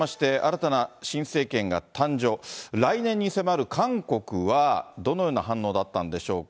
さて続いては、岸田内閣発足を受けまして、新たな新政権が誕生、来年に迫る韓国は、どのような反応だったんでしょうか。